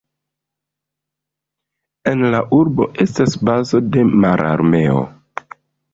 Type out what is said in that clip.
En la urbo estas bazo de Mararmeo.